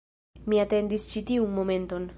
Mi atendis ĉi tiun momenton